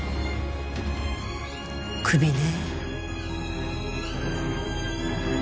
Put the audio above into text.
クビね。